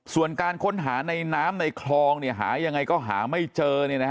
ส่วนการค้นหาในน้ำในคลองหายังไงก็หาไม่เจอ